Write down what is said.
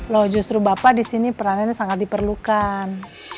loh justru bapak di sini peranannya sangat diperlukan